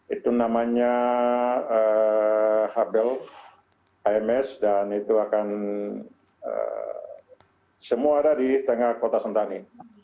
itu namanya habel ams dan itu akan semua ada di tengah kota sentani